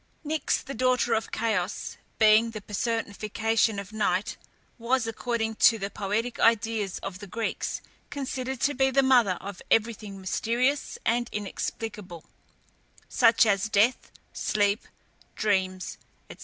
Nyx, the daughter of Chaos, being the personification of Night, was, according to the poetic ideas of the Greeks, considered to be the mother of everything mysterious and inexplicable, such as death, sleep, dreams, &c.